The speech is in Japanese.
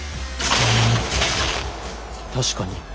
確かに。